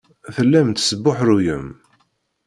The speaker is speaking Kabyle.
Tellam tesbuḥruyem.